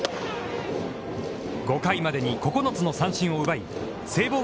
５回までに９つの三振を奪い聖光